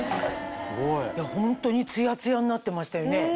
ホントにツヤツヤになってましたよね。